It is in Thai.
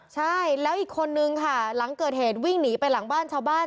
ใช่แล้วอีกคนนึงค่ะหลังเกิดเหตุวิ่งหนีไปหลังบ้านชาวบ้าน